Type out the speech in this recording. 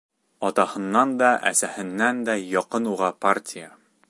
Атаһынан да, әсәһенән дә яҡын уға партия.